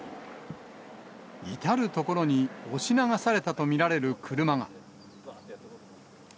至る所に押し流されたと見られる車が。